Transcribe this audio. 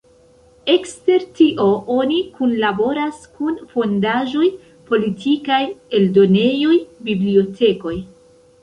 Ekster tio oni kunlaboras kun fondaĵoj politikaj, eldonejoj, bibliotekoj.